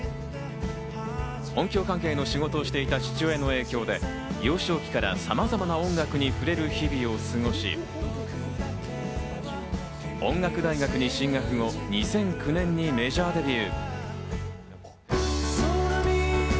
音響関係の仕事をしていた父親の影響で幼少期から様々な音楽に触れる日々を過ごし、音楽大学に進学後、２００９年にメジャーデビュー。